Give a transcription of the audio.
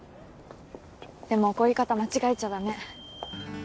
でも怒り方間違えちゃだめ。